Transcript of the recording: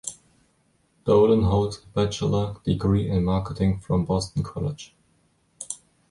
Dolan holds a bachelor's degree in marketing from Boston College.